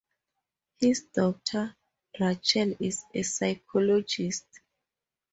His daughter, Rachel, is a psychologist.